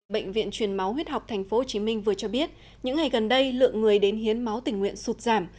bệnh viện truyền máu huyết học tp hcm vừa cho biết những ngày gần đây lượng người đến hiến máu tình nguyện sụt giảm